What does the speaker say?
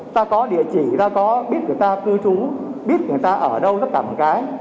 ta có địa chỉ ta có biết người ta cư trú biết người ta ở đâu nó cả một cái